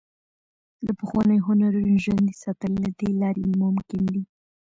د پخوانیو هنرونو ژوندي ساتل له دې لارې ممکن دي.